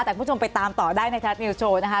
แต่คุณผู้ชมไปตามต่อได้ในทรัฐนิวสโชว์นะคะ